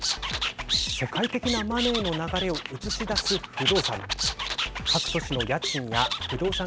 世界的なマネーの流れを映し出す不動産。